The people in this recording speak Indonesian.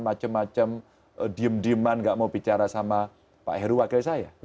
macam macam diem dieman nggak mau bicara sama pak heru wakil saya